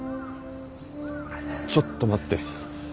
ちょっと待って。